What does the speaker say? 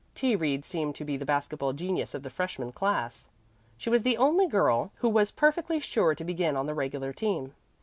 "T. Reed" seemed to be the basket ball genius of the freshman class. She was the only girl who was perfectly sure to be on the regular team.